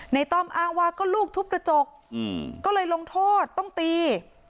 ต้อมอ้างว่าก็ลูกทุบกระจกก็เลยลงโทษต้องตี